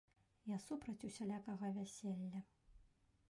Я супраць усялякага вяселля.